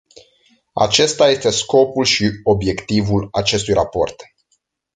Acesta este scopul și obiectivul acestui raport.